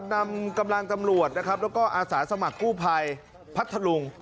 นำกำลังตำรวจนะครับแล้วก็อาสาสมัครกู้ภัยพัทธลุง